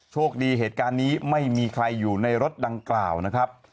โชคดีเหตุการณ์นี้ไม่มีใครอยู่ในรถดังกล่าวนะครับ